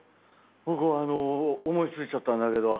「僕はあの思い付いちゃったんだけど」